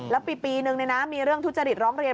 แล้วปีนึงมีเรื่องทุจริตร้องเรียน